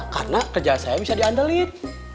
karena kerja saya bisa diandelin